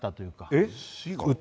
えっ？